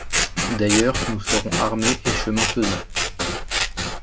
D’ailleurs, nous serons armés, et, chemin faisant